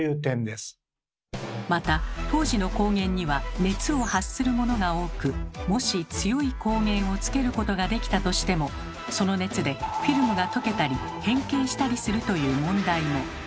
また当時の光源には熱を発するものが多くもし強い光源をつけることができたとしてもその熱でフィルムが溶けたり変形したりするという問題も。